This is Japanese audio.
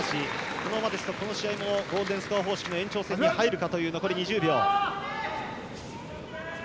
このままですと、この試合もゴールデンスコア方式の延長戦に入るか。